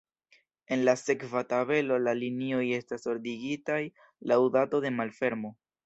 En la sekva tabelo la linioj estas ordigitaj laŭ dato de malfermo.